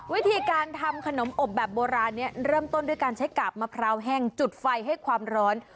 วิธีการทำขนมอบแบบโบราณนี้เริ่มต้นด้วยการใช้กาบมะพร้าวแห้งจุดไฟให้ความร้อน